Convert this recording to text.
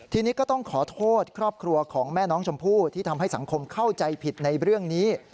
ทีนี้ก็ต้องขอโทษครอบครัวของแม่น้องชมพู่ที่ทำให้สังคมเข้าใจผิดในเรื่องนี้